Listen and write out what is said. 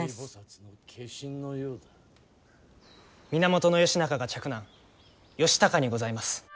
源義仲が嫡男義高にございます。